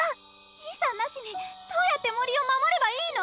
兄さんなしにどうやって森を守ればいいの？